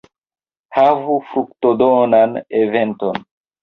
Havu fruktodonan eventon!